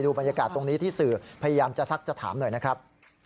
บรรยากาศตรงนี้ที่สื่อพยายามจะซักจะถามหน่อยนะครับ